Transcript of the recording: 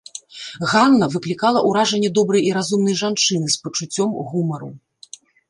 Ганна выклікала ўражанне добрай і разумнай жанчыны з пачуццём гумару.